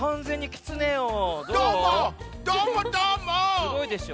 すごいでしょ？